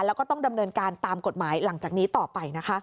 แล้วก็ต้องดำเนินการตามกฎหมายหลังจากนี้ต่อไปนะคะ